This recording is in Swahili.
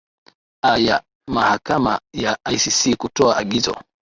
a ya mahakama ya icc kutoa agizo